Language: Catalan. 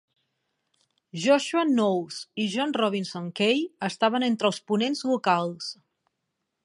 Joshua Knowles i John Robinson Kay estaven entre els ponents locals.